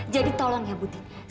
jadi tolong ya bu tini